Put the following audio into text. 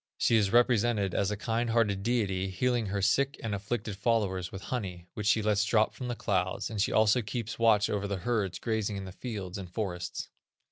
She is represented as a kind hearted deity, healing her sick and afflicted followers with honey, which she lets drop from the clouds, and she also keeps watch over the herds grazing in the fields and forests.